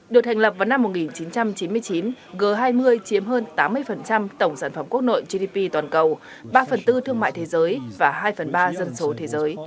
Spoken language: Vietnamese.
được thành lập vào năm một nghìn chín trăm chín mươi chín g hai mươi chiếm hơn tám mươi tổng sản phẩm quốc nội gdp toàn cầu ba phần tư thương mại thế giới và hai phần ba dân số thế giới